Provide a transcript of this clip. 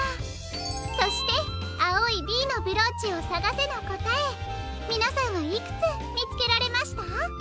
そして「あおい『Ｂ』のブローチをさがせ！」のこたえみなさんはいくつみつけられました？